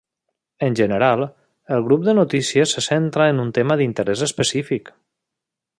En general, el grup de notícies se centra en un tema d'interès específic.